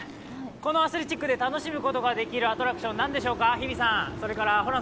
このアスレチックで楽しむことができるアトラクションは何でしょうか？